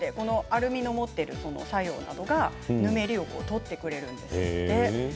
アルミの持っている作用がぬめりを取ってくれるんです。